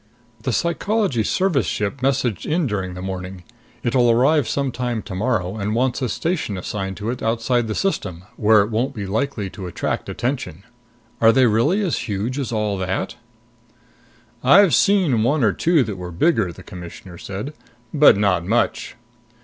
"The Psychology Service ship messaged in during the morning. It'll arrive some time tomorrow and wants a station assigned to it outside the system, where it won't be likely to attract attention. Are they really as huge as all that?" "I've seen one or two that were bigger," the Commissioner said. "But not much."